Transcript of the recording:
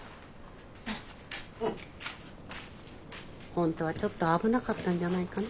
本当はちょっと危なかったんじゃないかな。